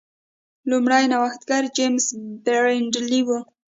لومړنی نوښتګر جېمز برینډلي و.